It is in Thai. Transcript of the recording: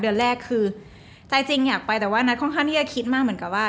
เดือนแรกคือใจจริงอยากไปแต่ว่านัทค่อนข้างที่จะคิดมากเหมือนกับว่า